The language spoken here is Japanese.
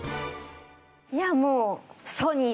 いやもう。